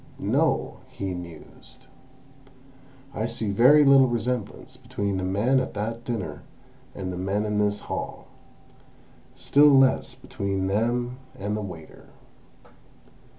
"No," he mused, "I see very little resemblance between the men at that dinner and the men in this hall; still less between them and the waiter.